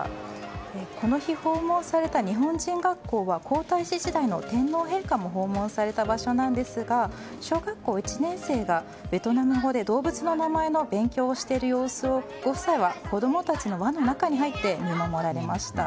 この日、訪問された日本人学校は皇太子時代の天皇陛下も訪問された場所なんですが小学１年生がベトナム語で動物の名前の勉強をしている様子をご夫妻は子供たちの輪の中に入って見守られました。